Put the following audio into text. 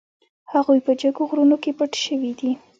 هغوی په جګو غرونو کې پټ شوي دي.